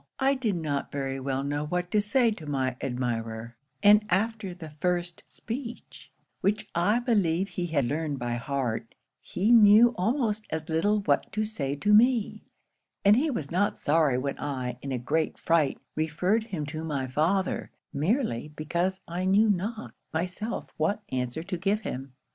I did not very well know what to say to my admirer; and after the first speech, which I believe he had learned by heart, he knew almost as little what to say to me; and he was not sorry when I, in a great fright, referred him to my father, merely because I knew not myself what answer to give him.